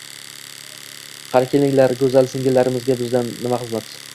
Qani kelinglar, go`zal singillarimizga bizdan nima xizmat